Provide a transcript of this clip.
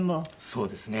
そうですね。